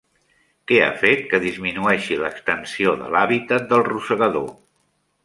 Què ha fet que disminueixi l'extensió de l'hàbitat del rosegador?